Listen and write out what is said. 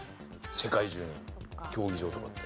世界中に競技場とかって。